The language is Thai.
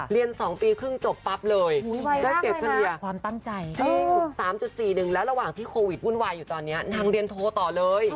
เรียน๒ปีครึ่งจบปรับเลยได้กันเที่ยวชนิยะจริง๓๔นึงแล้วระหว่างที่โควิดวุ่นวายอยู่ตอนนี้นางเรียนโทรต่อเลย